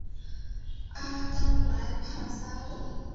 阿当莱帕萨旺。